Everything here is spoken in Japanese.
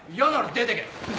出てけよ！